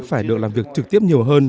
phải được làm việc trực tiếp nhiều hơn